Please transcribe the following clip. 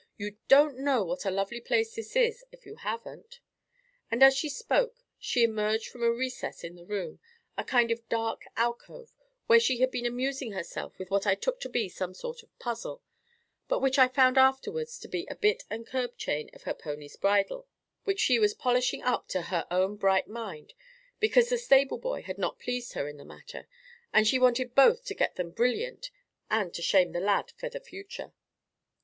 You don't know what a lovely place this is, if you haven't." And as she spoke she emerged from a recess in the room, a kind of dark alcove, where she had been amusing herself with what I took to be some sort of puzzle, but which I found afterwards to be the bit and curb chain of her pony's bridle which she was polishing up to her own bright mind, because the stable boy had not pleased her in the matter, and she wanted both to get them brilliant and to shame the lad for the future.